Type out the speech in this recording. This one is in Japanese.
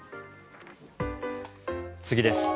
次です。